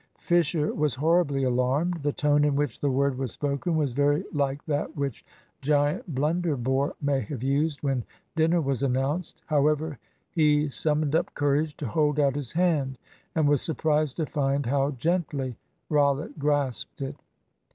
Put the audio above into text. Fisher was horribly alarmed. The tone in which the word was spoken was very like that which Giant Blunderbore may have used when dinner was announced. However, he summoned up courage to hold out his hand, and was surprised to find how gently Rollitt grasped it.